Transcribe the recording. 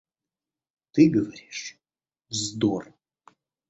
— Ты говоришь вздор.